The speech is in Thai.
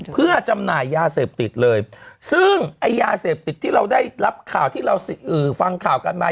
เพื่อจำหน่ายยาเสพติดเลยซึ่งไอ้ยาเสพติดที่เราได้รับข่าวที่เราฟังข่าวกันมา